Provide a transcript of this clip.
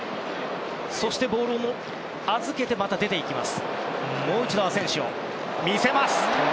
そしてボールを預けてまた出て行きます。